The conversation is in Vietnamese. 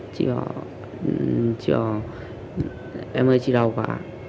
chị bảo chị bảo em ơi chị đau quá